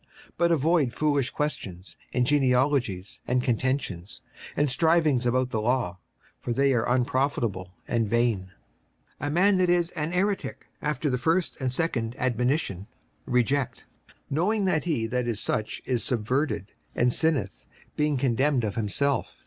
56:003:009 But avoid foolish questions, and genealogies, and contentions, and strivings about the law; for they are unprofitable and vain. 56:003:010 A man that is an heretick after the first and second admonition reject; 56:003:011 Knowing that he that is such is subverted, and sinneth, being condemned of himself.